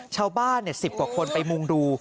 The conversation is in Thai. ชาวบ้าน๑๐กว่าคนไปมุ่งดู